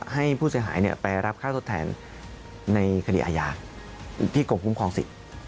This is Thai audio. ให้ผู้เสียหายไปรับค่าทดแทนในคดีอาญาที่กรมคุ้มครองสิทธิ์